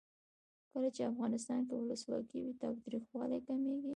کله چې افغانستان کې ولسواکي وي تاوتریخوالی کمیږي.